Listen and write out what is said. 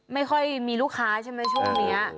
ไม่ค่อยมีลูกค้าใช่ไหมช่วงนี้